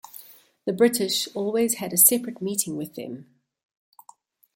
The British always had a separate meeting with them.